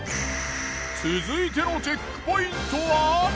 続いてのチェックポイントは。